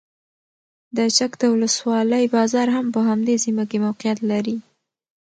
د چک د ولسوالۍ بازار هم په همدې سیمه کې موقعیت لري.